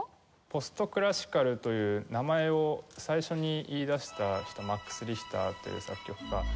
「ポストクラシカル」という名前を最初に言い出した人マックス・リヒターという作曲家で。